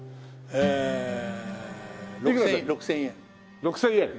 ６０００円。